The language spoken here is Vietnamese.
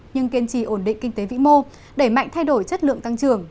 nhưng kiên trì ổn định kinh tế vĩ mô đẩy mạnh thay đổi chất lượng tăng trưởng